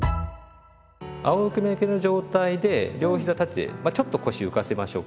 あおむけの状態で両ひざ立ててまあちょっと腰浮かせましょうかね。